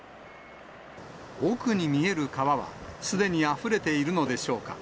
奥に見える川は、すでにあふれているのでしょうか。